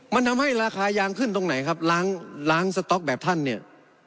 มันทำให้ราคายางขึ้นตรงไหนครับล้างล้างสต๊อกแบบท่านเนี่ย